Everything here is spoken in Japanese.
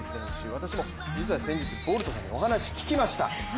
私も実は先日ボルトさんにお話、聞きました。